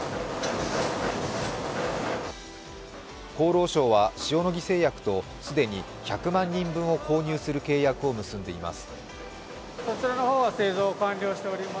厚労省は塩野義製薬と既に１００万人分を購入する契約を結んでいます。